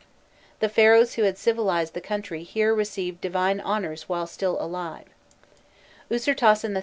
The Pharaohs who had civilized the country here received divine honours while still alive. Ûsirtasen III.